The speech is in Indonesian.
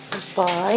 sampai jumpa lagi